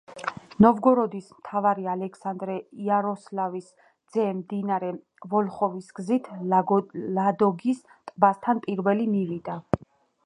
ნოვგოროდის მთავარი ალექსანდრე იაროსლავის ძე მდინარე ვოლხოვის გზით ლადოგის ტბასთან პირველი მივიდა.